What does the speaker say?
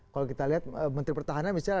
kalau kita lihat menteri pertahanan misalnya